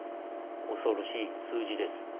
恐ろしい数字です。